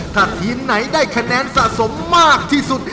ถ้าทีมไหนได้คะแนนสะสมมากที่สุด